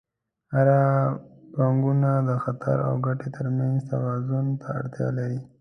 هره پانګونه د خطر او ګټې ترمنځ توازن ته اړتیا لري.